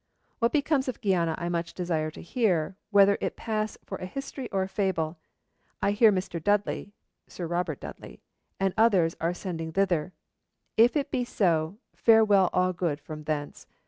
'What becomes of Guiana I much desire to hear, whether it pass for a history or a fable. I hear Mr. Dudley [Sir Robert Dudley] and others are sending thither; if it be so, farewell all good from thence.